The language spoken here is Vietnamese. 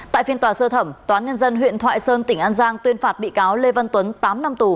tại phiên tòa sơ thẩm toán nhân dân huyện thoại sơn tỉnh an giang tuyên phạt bị cáo lê văn tuấn tám năm tù